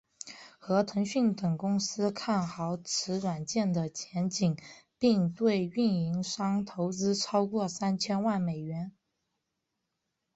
和腾讯等公司看好此软件的前景并对运营商投资超过三千万美元。